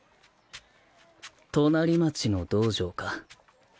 隣町の道場か